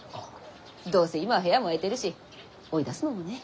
どうせ今は部屋も空いてるし追い出すのもね。